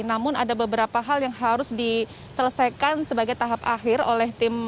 namun ada beberapa hal yang harus diselesaikan sebagai tahap akhir oleh tim